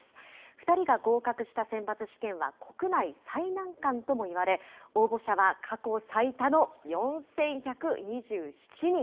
２人が合格した選抜試験は国内最難関ともいわれ、応募者は過去最多の４１２７人。